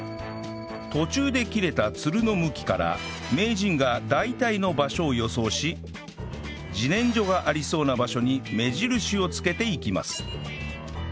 途中で切れたツルの向きから名人が大体の場所を予想し自然薯がありそうな場所に目印を付けていきます